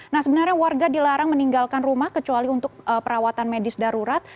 nah sebenarnya warga dilarang meninggalkan rumah kecuali untuk perawatan medis darurat